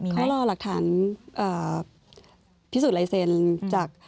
เขารอหลักฐานพิสูจนลายเซ็นจาก